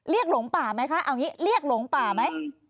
หลงป่าไหมคะเอาอย่างนี้เรียกหลงป่าไหม